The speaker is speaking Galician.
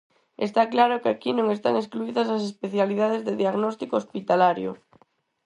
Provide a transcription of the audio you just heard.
Está claro que aquí non están excluídas as especialidades de diagnóstico hospitalario.